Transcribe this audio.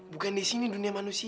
bukan di sini dunia manusia